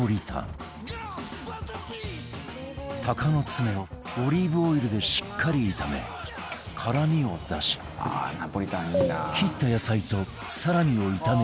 鷹の爪をオリーブオイルでしっかり炒め辛みを出し切った野菜とサラミを炒めていく